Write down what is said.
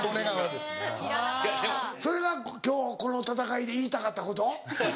それが今日この戦いで言いたかったこと？